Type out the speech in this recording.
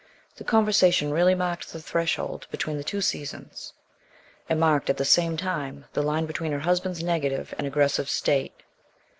The conversation really marked the threshold between the two seasons, and marked at the same time the line between her husband's negative and aggressive state.